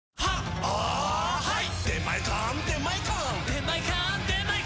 はい。